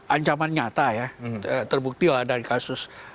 ancaman nyata ya terbukti lah dari kasus